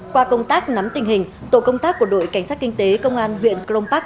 qua công tác nắm tình hình tổ công tác của đội cảnh sát kinh tế công an huyện crong park